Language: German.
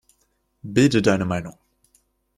Bilde deine Meinung!